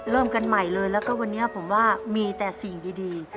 เริ่มกันใหม่เลยแล้วก็วันนี้ผมว่ามีแต่สิ่งดี